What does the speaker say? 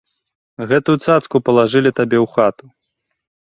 Гэтую цацку палажылі табе ў хату!